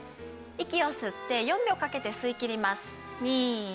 息を吸って４秒かけて吸いきります。